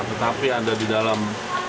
tetapi ada di dalam